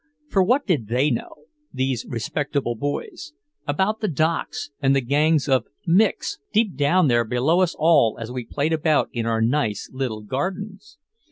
For what did they know, these respectable boys, about the docks and the gangs of "Micks" deep down there below us all as we played about in our nice little gardens.